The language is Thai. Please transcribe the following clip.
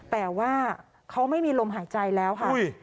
แต่ว่าเขาไม่มีลมหายใจแล้วค่ะ